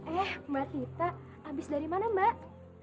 eh mbak tita abis dari mana mbak